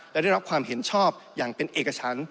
และได้รับความเห็นชอบอย่างเป็นเอกชั้น